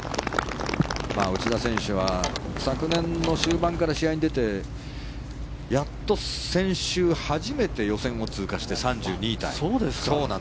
内田選手は昨年の終盤から試合に出てやっと先週初めて予選を通過して３２位タイ。